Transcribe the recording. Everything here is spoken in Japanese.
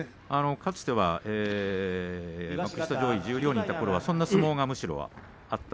かつては幕下上位十両にいたときはそんな相撲がむしろありました。